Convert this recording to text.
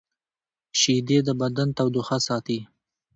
شیدې د بدن تودوخه ساتي